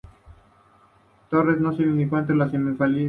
Torres no figuró entre las semifinalistas.